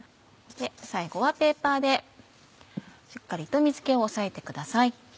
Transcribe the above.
最後はペーパーでしっかりと水気を押さえてください。